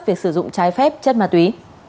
việc sử dụng trái phép chân mặt túy